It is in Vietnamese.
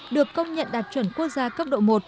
được công nhận đạt chuẩn quốc gia cấp độ một